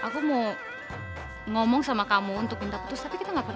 aku mau ngomong sama kamu untuk minta putus tapi kita nggak pernah